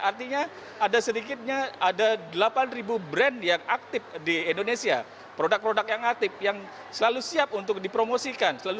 artinya ada sedikitnya ada delapan brand yang aktif di indonesia produk produk yang aktif yang selalu siap untuk dipromosikan